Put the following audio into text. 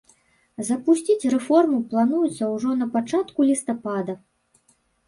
Запусціць рэформу плануецца ўжо напачатку лістапада.